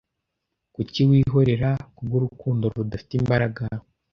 kuki wihorera kubwurukundo rudafite imbaraga